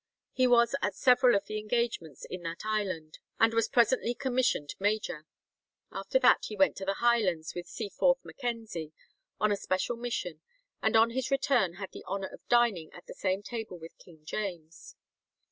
He was at several of the engagements in that island, and was presently commissioned major. After that he went to the Highlands with Seaforth Mackenzie on a special mission, and on his return had the honour of dining at the same table with King James.